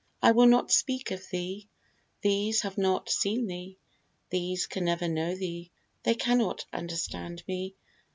I will not speak of thee; These have not seen thee, these can never know thee, They cannot understand me.